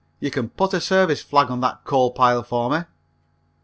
You can put a service flag on that coal pile for me."